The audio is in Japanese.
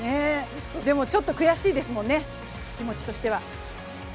でもちょっと悔しいですもんね、気持ちとしては。